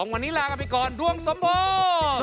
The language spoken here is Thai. วันนี้ลากันไปก่อนดวงสมโพ